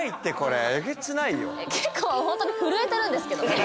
結構ホントに震えてるんですけど。